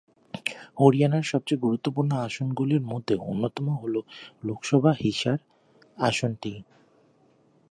হরিয়ানার সবচেয়ে গুরুত্বপূর্ণ আসনগুলির মধ্যে অন্যতম হল লোকসভা হিসার আসনটি।